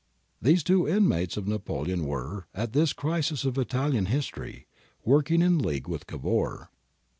These two intimates of Napoleon were, at this crisis of Italian history, work ing in league with Cavour.